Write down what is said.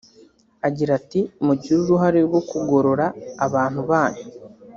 Agira ati “Mugire uruhare rwo kugorora abantu banyu